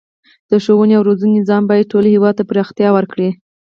د ښوونې او روزنې نظام باید ټول هیواد ته پراختیا ورکړي.